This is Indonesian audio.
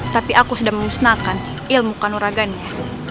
tapi aku sudah mengusnahkan ilmu kanuragannya